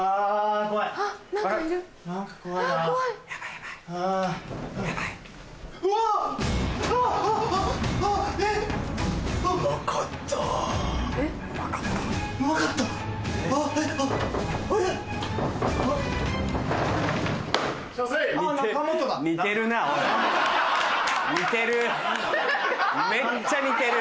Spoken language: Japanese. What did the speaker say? すごい！めっちゃ似てる。